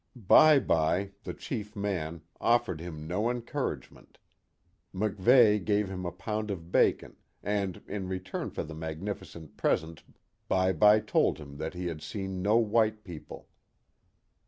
Bye Bye, the chief man, offered him no encouragement, MacVeigh gave him a pound of bacon, and in return for the magnificent present Bye Bye told him that he had seen no white people.